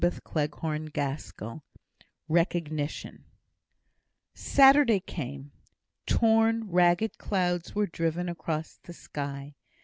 CHAPTER XXIII Recognition Saturday came. Torn, ragged clouds were driven across the sky.